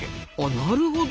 なるほど。